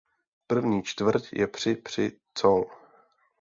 První čtvrť je při při col.